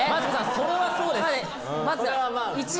それはそうです・